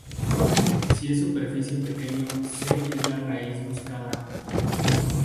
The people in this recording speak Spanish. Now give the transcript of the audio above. Si es suficientemente pequeño, "c" es la raíz buscada.